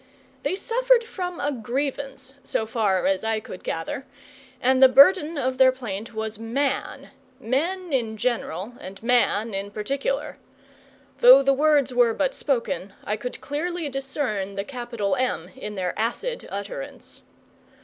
They suffered from a grievance, so far as I could gather, and the burden of their plaint was Man Men in general and Man in particular. (Though the words were but spoken, I could clearly discern the capital M in their acid utterance.)